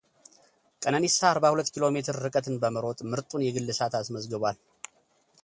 ቀኒነሳ አርባ ሁለት ኪሎ ሜትር ርቀትን በመሮጥ ምርጡን የግል ሰዓት አስመዝግቧል።